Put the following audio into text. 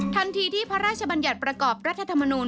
ทันทีที่พระราชบัญญัติประกอบรัฐธรรมนูล